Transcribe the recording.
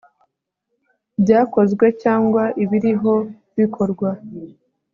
byakozwe cyangwa ibiriho bikorwa